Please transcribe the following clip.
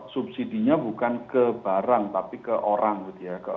subsidinya bukan ke barang tapi ke orang gitu ya